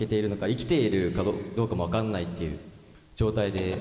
生きているかどうかも分かんない状態で。